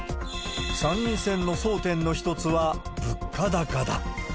参院選の争点の一つは、物価高だ。